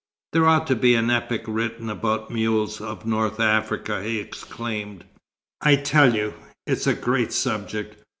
"There ought to be an epic written about the mules of North Africa!" he exclaimed. "I tell you, it's a great subject.